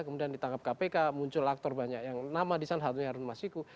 kemudian ditangkap kpk muncul aktor banyak yang nama di sana harun mas iku